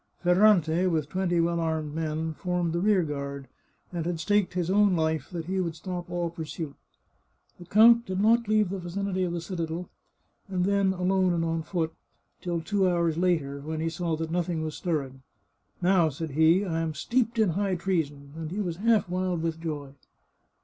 Ferrante, with twenty well armed men, formed the rear guard, and had staked his own life that he would stop all pursuit. The count did not leave the vicinity of the citadel — and then alone and on foot — till two hours later, when he saw that nothing was stirring. " Now," said he, I am steeped in high treason," and he was half wild with joy.